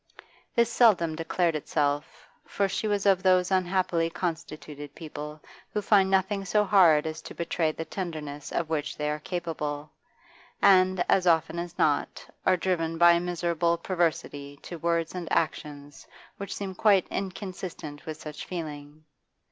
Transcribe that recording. This seldom declared itself, for she was of those unhappily constituted people who find nothing so hard as to betray the tenderness of which they are capable, and, as often as not, are driven by a miserable perversity to words and actions which seem quite inconsistent with such feeling.